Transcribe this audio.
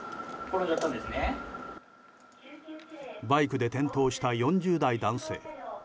バイクで転倒した４０代男性。